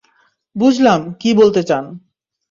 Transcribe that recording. বুঝলাম কী বলতে চান।